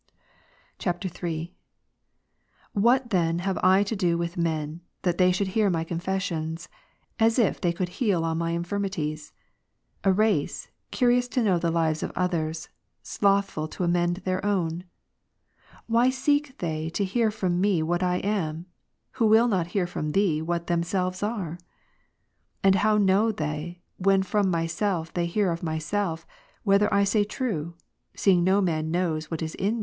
[III.] 3. What then have I to do with men, that they should hear my confessions; as if they could heal all my Ps. 103, infirmities ? A race, curious to know the lives of others, ' slothful to amend their own. Why seek they to hear from me what I am; who will not hear from Thee what themselves are ? And how know they, when from myself they hear of myself, whether I say true ; seeing no man knoivs ivhal is in \ Cor.